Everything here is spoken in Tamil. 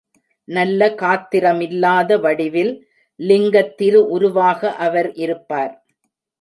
நல்ல காத்திரமில்லாத வடிவில் லிங்கத் திருஉருவாக அவர் இருப்பார்.